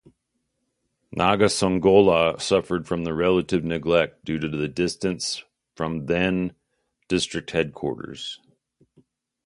Nakasongola suffered from relative neglect due to the distance from the then district headquarters.